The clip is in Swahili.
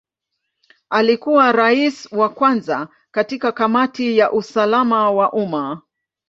Alikuwa Rais wa kwanza katika Kamati ya usalama wa umma.